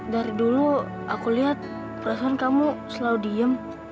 dari dulu aku lihat perasaan kamu selalu diem